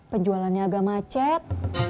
penjualannya agak macet